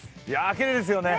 きれいですよね。